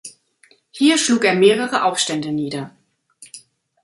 Hier schlug er mehrere Aufstände nieder.